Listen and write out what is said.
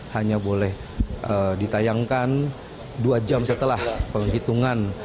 hanya boleh ditayangkan dua jam setelah penghitungan